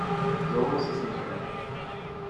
So muss es nicht enden.